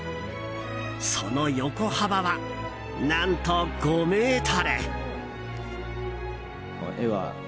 その横幅は何と５ｍ！